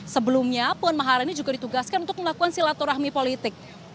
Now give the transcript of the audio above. sebelumnya puan maharani juga ditugaskan untuk melakukan silaturahmi politik